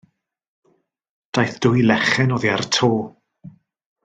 Daeth dwy lechen oddi ar y to.